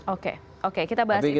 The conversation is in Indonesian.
oke oke kita bahas itu nanti